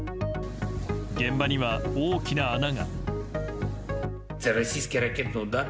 現場には大きな穴が。